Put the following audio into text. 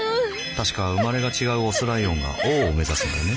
確か生まれが違うオスライオンが王を目指すのよね。